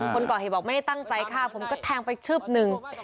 คนก่อเหตุบอกไม่ได้ตั้งใจฆ่าผมก็แทงไปชืบหนึ่ง